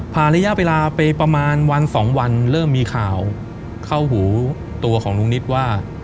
ระยะเวลาไปประมาณวันสองวันเริ่มมีข่าวเข้าหูตัวของลุงนิดว่า